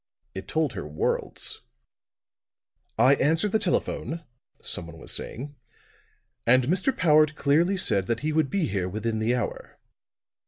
It told her worlds. "I answered the telephone," some one was saying, "and Mr. Powart clearly said that he would be here within the hour."